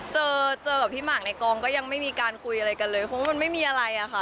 เจอเจอกับพี่หมากในกองก็ยังไม่มีการคุยอะไรกันเลยเพราะว่ามันไม่มีอะไรอะค่ะ